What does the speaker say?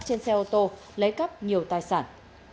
trên xe ô tô lấy cắp nhiều tài sản